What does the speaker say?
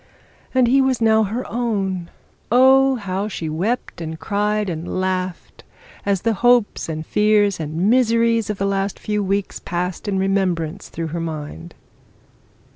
And he was now her own. Oh, how she wept and cried and laughed, as the hopes and fears and miseries of the last few weeks passed in remembrance through her mind.